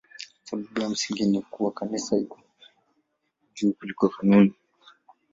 Sababu ya msingi ni kuwa Kanisa liko juu kuliko kanuni.